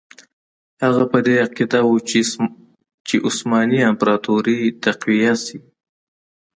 هغه په دې عقیده وو چې عثماني امپراطوري تقویه شي.